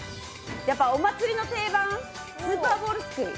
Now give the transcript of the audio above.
お祭りの定番、スーパーボールすくい。